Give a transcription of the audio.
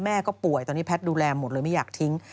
แม่ก็ป่วยตอนนี้แพทย์ดูแลหมดเลยไม่อยากทิ้ง